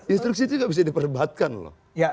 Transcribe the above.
instruksi itu juga bisa diperdebatkan loh